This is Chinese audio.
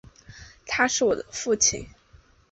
他是我父亲